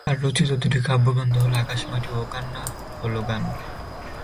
তার রচিত দুটি কাব্যগ্রন্থ হল 'আকাশ মাটি' ও 'কান্না হল গান'।